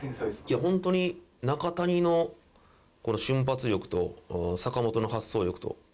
いや本当に中谷の瞬発力と阪本の発想力と。